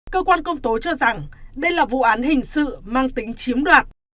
cơ quan công tố cho rằng đây là vụ án hình sự mang tính chiếm đoạt